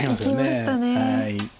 いきましたね。